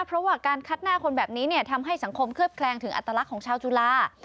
เพราะว่าการคัดหน้าคนแบบนี้ทำให้สังคมเคลือบแคลงถึงอัตลักษณ์ของชาวจุฬา